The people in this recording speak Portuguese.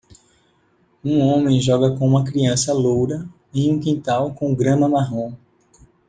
Um homem joga com uma criança loura em um quintal com grama marrom.